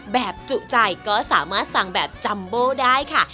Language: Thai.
จุใจก็สามารถสั่งแบบจัมโบได้ค่ะ